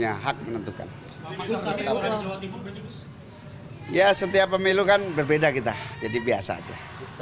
ya setiap pemilu kan berbeda kita jadi biasa aja